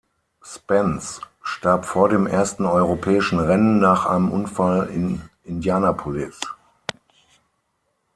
Spence starb vor dem ersten europäischen Rennen nach einem Unfall in Indianapolis.